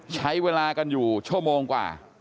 ใช้เวลากันอยู่ชั่วโมงกว่า